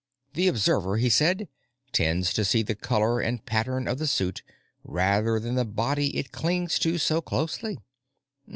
The observer, he said, tends to see the color and pattern of the suit, rather than the body it clings to so closely.